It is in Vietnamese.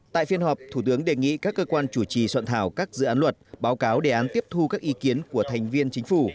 tại phiên họp thủ tướng đề nghị các cơ quan chủ trì soạn thảo các dự án luật báo cáo đề án tiếp thu các ý kiến của thành viên chính phủ